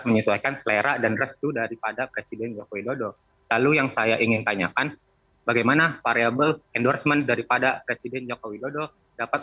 menyesuaikan selera dan restu daripada presiden joko widodo lalu yang saya ingin tanyakan bagaimana